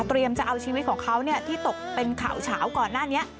เตรียมจะเอาชีวิตของเขาเนี้ยที่ตกเป็นข่าวเฉาก่อนหน้านี้